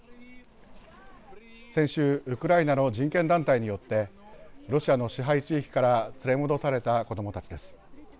先週、ウクライナの人権団体によってロシアの支配地域から連れ戻された子どもたちです。